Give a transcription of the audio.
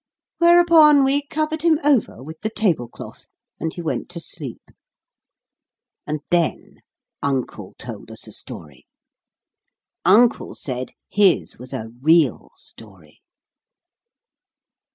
Whereupon we covered him over with the tablecloth, and he went to sleep. And then Uncle told us a story. Uncle said his was a real story.